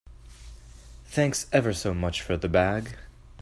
Thanks ever so much for the bag.